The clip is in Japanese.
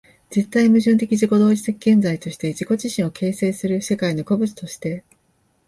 絶対矛盾的自己同一的現在として自己自身を形成する世界の個物として、